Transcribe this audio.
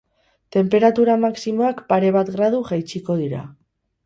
Tenperatura maximoak pare bat gradu jaitsiko dira.